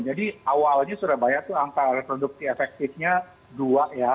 jadi awalnya surabaya itu angka reproduksi efektifnya dua ya